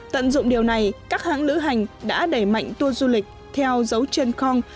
cảm dụng điều này các hãng lữ hành đã đẩy mạnh tù du lịch theo dấu chân kong